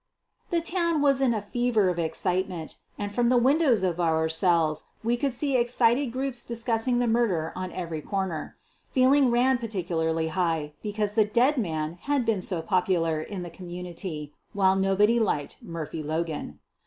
' The town was in a fever of excitement, and from the windows of our cells we could see excited groups discussing the murder on every corner. Feeling ran particularly high, because the dead man had been so popular in the community while nobody liked Murphy Logan.